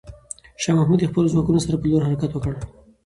شاه محمود د خپلو ځواکونو سره پر لور حرکت کوي.